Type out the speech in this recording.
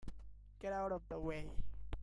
Get out of the way!